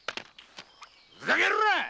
ふざけるなっ！